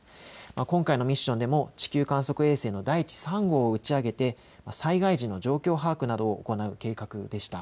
今回のミッションでも地球観測衛星だいち３号を打ち上げて災害時の状況把握などを行う計画でした。